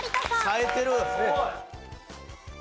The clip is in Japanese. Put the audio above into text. さえてる。